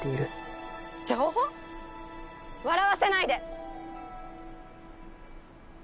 笑わせないで！